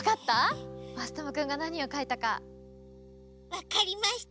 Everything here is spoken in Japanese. わかりました。